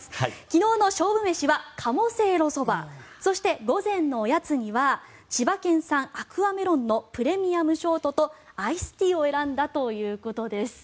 昨日の勝負飯は鴨せいろそばそして、午前のおやつには千葉県産アクアメロンのプレミアムショートとアイスティーを選んだということです。